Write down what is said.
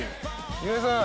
岩井さん。